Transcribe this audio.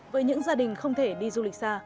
với những gia đình không thể đi du lịch xa